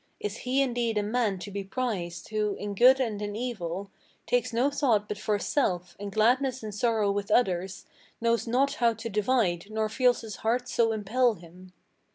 Is he indeed a man to be prized, who, in good and in evil, Takes no thought but for self, and gladness and sorrow with others Knows not how to divide, nor feels his heart so impel him?